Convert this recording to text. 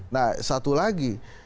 nah satu lagi